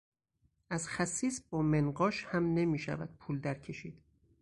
از خسیس با منقاش هم نمیشود پول در کشید.